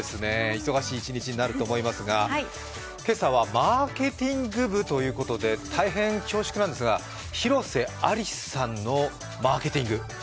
忙しい一日になると思いますが今朝は「マーケティング部」ということで、大変恐縮ですが、広瀬アリスさんのマーケティング。